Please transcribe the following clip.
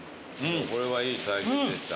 これはいい体験でした。